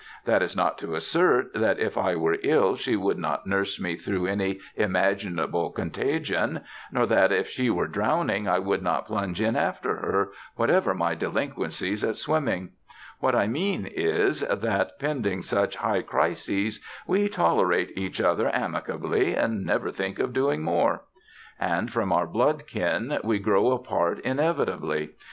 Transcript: That is not to assert that if I were ill she would not nurse me through any imaginable contagion, nor that if she were drowning I would not plunge in after her, whatever my delinquencies at swimming: what I mean is that, pending such high crises, we tolerate each other amicably, and never think of doing more.... And from our blood kin we grow apart inevitably.